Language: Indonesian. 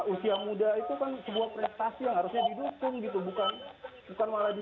usia muda itu kan sebuah prestasi yang harusnya didukung gitu